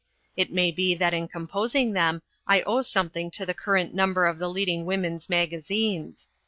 It may be that in composing them I owe something to the current number of the leading women's magazines.